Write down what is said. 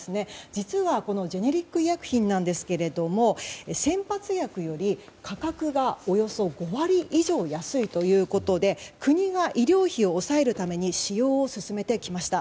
実はジェネリック医薬品ですけど先発薬より価格がおよそ５割以上安いということで国が医療費を抑えるために使用を進めてきました。